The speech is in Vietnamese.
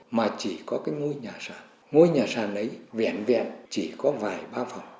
mà chỉ có cái ngôi nhà sàn ngôi nhà sàn đấy vẹn vẹn chỉ có vài ba phòng